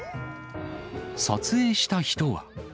撮影した人は。